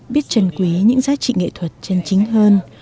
biết trân quý những giá trị nghệ thuật chân chính hơn